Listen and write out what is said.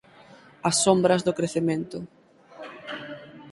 As sombras do crecemento